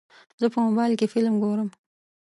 زه په موبایل کې فلم ګورم.